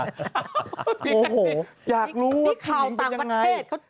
โอ้โฮอยากรู้ว่าผู้หญิงเป็นยังไงนี่ข่าวต่างประเทศ